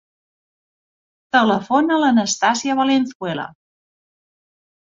Telefona a l'Anastàsia Valenzuela.